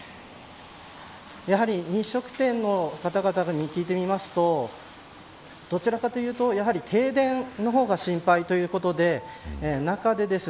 やはり飲食店の方々に聞いてみますとどちらかというとやはり停電の方が心配ということです。